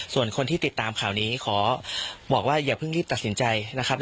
ส่วนคนที่ติดตามข่าวนี้ขอบอกว่าอย่าเพิ่งรีบตัดสินใจนะครับ